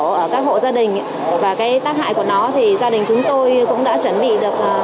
ở các hộ gia đình và tác hại của nó gia đình chúng tôi cũng đã chuẩn bị được